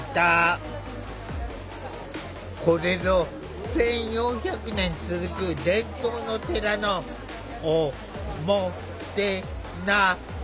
これぞ１，４００年続く伝統の寺の“お・も・て・な・し”。